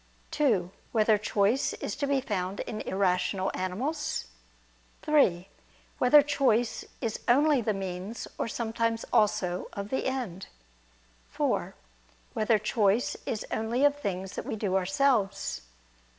(2) Whether choice is to be found in irrational animals? (3) Whether choice is only the means, or sometimes also of the end? (4) Whether choice is only of things that we do ourselves?